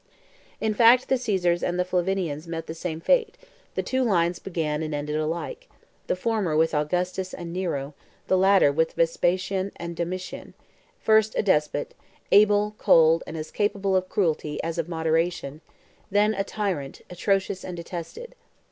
In fact the Caesars and the Flavians met the same fate; the two lines began and ended alike; the former with Augustus and Nero, the latter with Vespasian and Domitian; first a despot, able, cold, and as capable of cruelty as of moderation, then a tyrant, atrocious and detested.